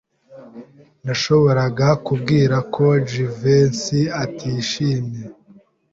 Nashoboraga kubwira ko Jivency atishimye.